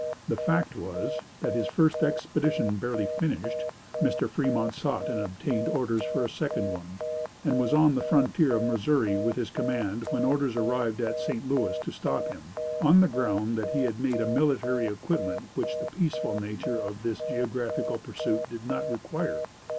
The fact was, that his first expedition barely finished, Mr. Fremont sought and obtained orders for a second one, and was on the frontier of Missouri with his command when orders arrived at St. Louis to stop him, on the ground that he had made a military equipment which the peaceful nature of his geographical pursuit did not require!